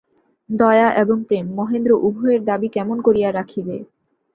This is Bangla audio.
দয়া এবং প্রেম, মহেন্দ্র উভয়ের দাবি কেমন করিয়া রাখিবে।